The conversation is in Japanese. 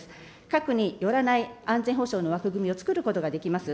核によらない安全保障の枠組みをつくることができます。